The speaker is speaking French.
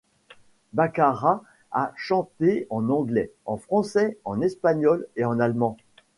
Baccara a chanté en anglais, en français, en espagnol et en allemand.